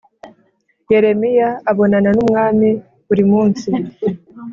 Yeremiya abonana n ‘umwami burimunsi.